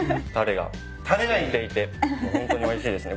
たれが染みていてホントにおいしいですね。